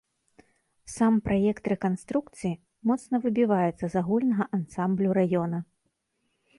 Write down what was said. Сам праект рэканструкцыі моцна выбівацца з агульнага ансамблю раёна.